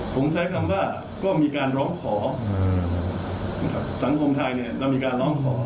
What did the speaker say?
ผมใช้คำว่าก็มีการร้องขอสังคมไทยเนี่ยเรามีการร้องขอ